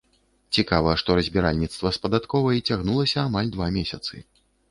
Цікава, што разбіральніцтва з падатковай цягнулася амаль два месяцы.